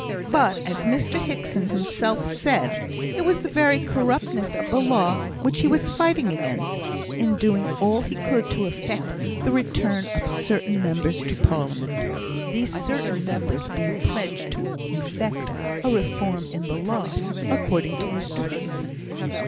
But, as Mr Hickson himself said, it was the very corruptness of the law which he was fighting against, in doing all he could to effect the return of certain members to Parliament; these certain members being pledged to effect a reform in the law, according to Mr Hickson.